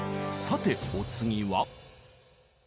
さてお次は？